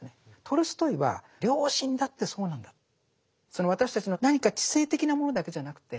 トルストイは良心だってそうなんだって。